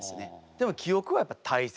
でも記憶はやっぱ大切？